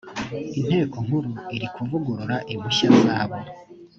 inteko nkuru iri kuvugurura impushya zabo